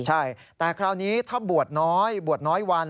ใช่แต่คราวนี้ถ้าบวชน้อยบวชน้อยวัน